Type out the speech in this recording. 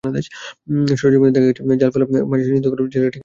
সরেজমিনে দেখা গেছে, জাল ফেলা নিষিদ্ধ হলেও জেলেরা ঠিকই নদীতে মাছ ধরতে নেমেছেন।